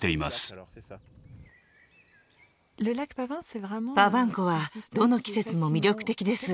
パヴァン湖はどの季節も魅力的です。